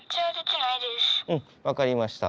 うん分かりました。